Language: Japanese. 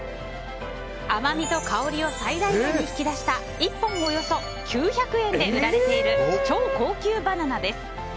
甘みと香りを最大限に引き出した１本およそ９００円で売られている超高級バナナです。